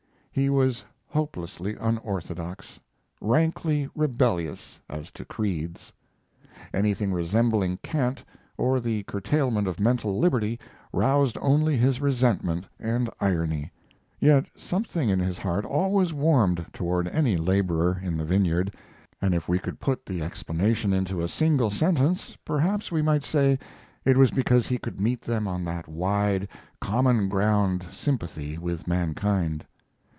He was hopelessly unorthodox rankly rebellious as to creeds. Anything resembling cant or the curtailment of mental liberty roused only his resentment and irony. Yet something in his heart always warmed toward any laborer in the vineyard, and if we could put the explanation into a single sentence, perhaps we might say it was because he could meet them on that wide, common ground sympathy with mankind.